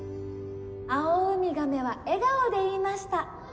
アオウミガメは笑顔で言いました。